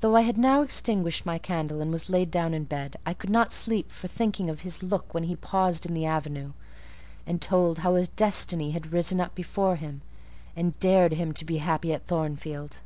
Though I had now extinguished my candle and was laid down in bed, I could not sleep for thinking of his look when he paused in the avenue, and told how his destiny had risen up before him, and dared him to be happy at Thornfield.